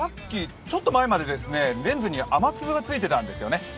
ちょっと前までレンズに雨粒がついてたんですよね。